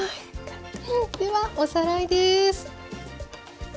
ではおさらいです。